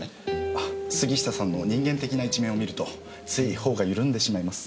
あ杉下さんの人間的な一面を見るとつい頬が緩んでしまいます。